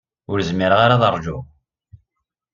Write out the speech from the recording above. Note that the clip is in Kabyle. Ur zmireɣ ara ad ṛjuɣ.